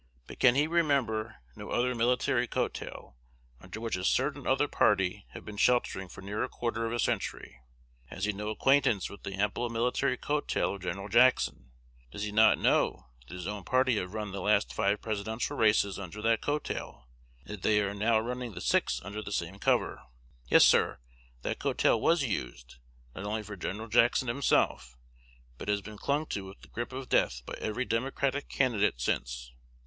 But can he remember no other military coat tail, under which a certain other party have been sheltering for near a quarter of a century? Has he no acquaintance with the ample military coat tail of Gen. Jackson? Does he not know that his own party have run the last five Presidential races under that coat tail? and that they are now running the sixth under the same cover? Yes, sir, that coat tail was used, not only for Gen, Jackson himself, but has been clung to with the grip of death by every Democratic candidate since.